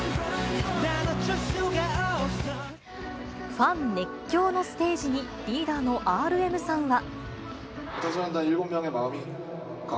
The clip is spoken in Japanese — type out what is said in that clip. ファン熱狂のステージに、リーダーのＲＭさんは。